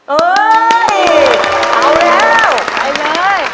เอ้ยเอาแล้วไปเลย